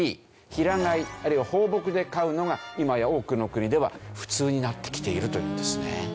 平飼いあるいは放牧で飼うのが今や多くの国では普通になってきているというんですね。